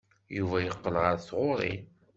Yuba yeqqel ɣer tɣuri.